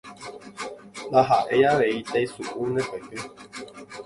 ndaha'éi avei taisu'u ne petỹ